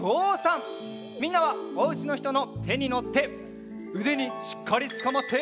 みんなはおうちのひとのてにのってうでにしっかりつかまって。